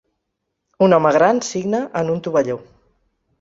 Un home gran signa en un tovalló.